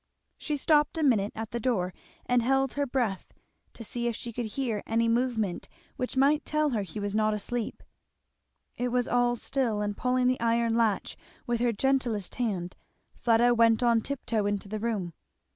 She stopped a minute at the door and held her breath to see if she could hear any movement which might tell her he was not asleep. It was all still, and pulling the iron latch with her gentlest hand Fleda went on tiptoe into the room.